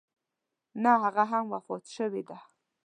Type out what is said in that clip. نه هغه هم وفات شوې ده.